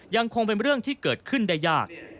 ยังคงเป็นเรื่องที่เกิดขึ้นได้ยาก